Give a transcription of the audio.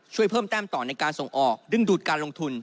ช่วยเพิ่มแต้มต่อในการส่งออกดึงดูดการลงทุน